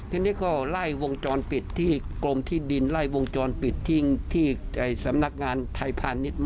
ทีนี้ก็ไล่วงจรปิดที่กรมที่ดินไล่วงจรปิดที่สำนักงานไทยพาณิชย์